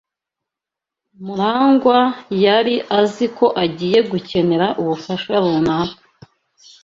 Murangwa yari azi ko agiye gukenera ubufasha runaka.